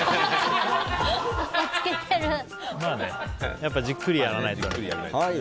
やっぱ、じっくりやらないとね。